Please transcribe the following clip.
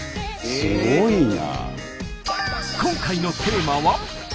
すごいな。